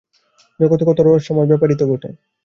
জগতে কত রহস্যময় ব্যাপারই তো ঘটে।